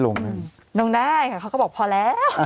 ลงได้ค่ะเขาก็บอกพอแล้ว